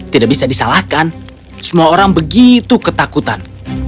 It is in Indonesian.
tidak bisa disalahkan semua orang begitu ketakutan